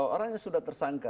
orang yang sudah tersangka